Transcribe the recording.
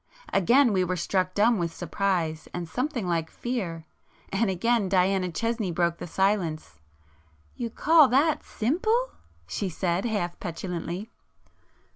Again we were struck dumb with surprise and something like fear,—and again Diana Chesney broke the silence. "You call that simple!" she said, half petulantly.